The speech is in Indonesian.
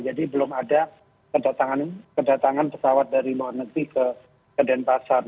jadi belum ada kedatangan pesawat dari luar negeri ke denpasar